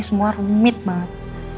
semua rumit banget